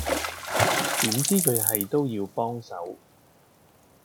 點知佢係都要幫手